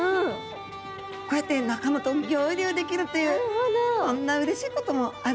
こうやって仲間と合流できるっていうこんなうれしいこともあるんですね。